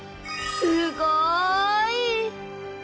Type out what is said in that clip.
すごい！